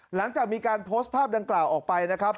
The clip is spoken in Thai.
หลังจากมีการโพสต์ภาพดังกล่าวออกไปนะครับ